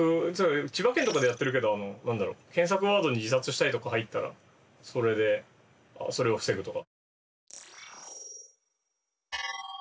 千葉県とかでやってるけど検索ワードに「自殺したい」とか入ったらそれを防ぐとか。